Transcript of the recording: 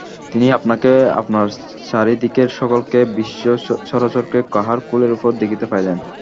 তিনি আপনাকে, আপনার চারি দিকের সকলকে, বিশ্বচরাচরকে কাহার কোলের উপর দেখিতে পাইলেন।